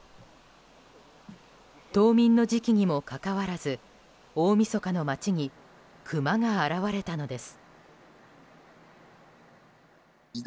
冬眠の時期にもかかわらず大みそかの街にクマが現れたのです。